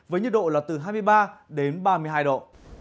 với nhiệt độ là từ hai mươi ba đến ba mươi hai độ